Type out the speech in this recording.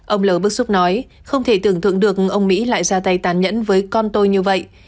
ông l bức xúc nói không thể tưởng tượng được ông mỹ lại ra tay tàn nhẫn với con tôi như vậy